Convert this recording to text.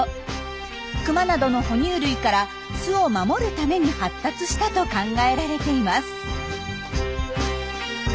クマなどの哺乳類から巣を守るために発達したと考えられています。